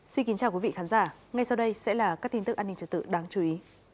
xin kính chào quý vị khán giả ngay sau đây sẽ là các tin tức an ninh trật tự đáng chú ý